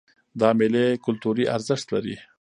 دا میلې کلتوري ارزښت لري.